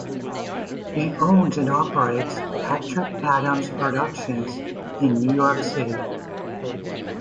He owns and operates Patrick Adams Productions in New York City.